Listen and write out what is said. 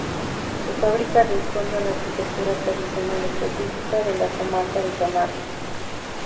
Su fábrica responde a la arquitectura tradicional específica de la comarca de Sanabria.